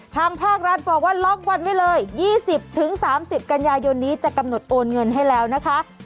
ทางภาครัฐบอกว่าล็อกวันไว้เลย๒๐๓๐กันยายนนี้จะกำหนดโอนเงินให้แล้วนะคะ